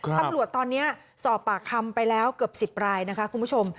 ตำรวจตอนนี้สอบปากคำไปแล้วเกือบ๑๐รายนะคะคุณผู้ชม